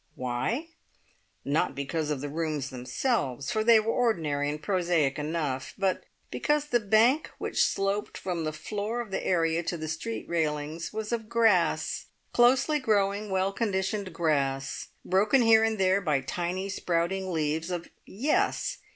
Why? Not because of the rooms themselves, for they were ordinary and prosaic enough, but because the bank which sloped from the floor of the area to the street railings was of grass, closely growing, well conditioned grass, broken here and there by tiny, sprouting leaves of yes!